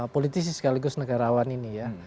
politisi sekaligus negarawan ini ya